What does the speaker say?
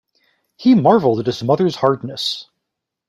He marvelled at his mother’s hardness.